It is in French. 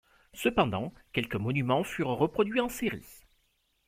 Cependant, quelques monuments furent reproduits en séries.